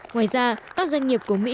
ngoài ra các doanh nghiệp của mỹ